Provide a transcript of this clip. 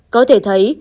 có thể thấy